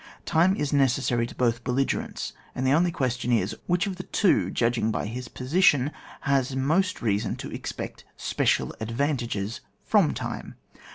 Time is necessary to both belligerents, and the only question is : which of the two, judging by his position, has most reason to expect special advantages from, time?